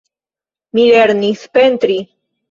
Mi lernis pentri.